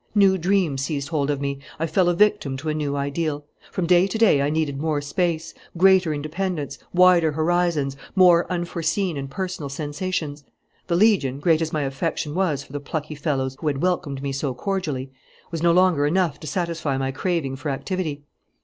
"New dreams seized hold of me. I fell a victim to a new ideal. From day to day I needed more space, greater independence, wider horizons, more unforeseen and personal sensations. The Legion, great as my affection was for the plucky fellows who had welcomed me so cordially, was no longer enough to satisfy my craving for activity.